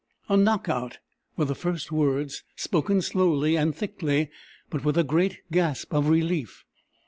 "A knockout," were the first words, spoken slowly and thickly, but with a great gasp of relief.